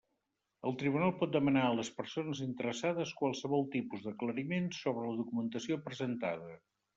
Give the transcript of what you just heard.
El tribunal pot demanar a les persones interessades qualsevol tipus d'aclariment sobre la documentació presentada.